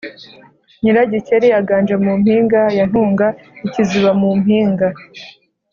nyirakigeri aganje mu mpinga ya ntunga-ikiziba mu mpinga.